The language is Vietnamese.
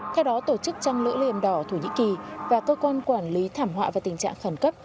theo đó tổ chức trăng lưỡi liềm đỏ thổ nhĩ kỳ và cơ quan quản lý thảm họa và tình trạng khẩn cấp